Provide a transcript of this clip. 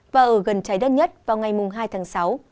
trái đất nhất vào ngày hai tháng sáu